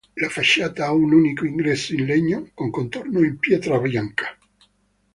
La facciata ha un unico ingresso in legno con contorno in pietra bianca.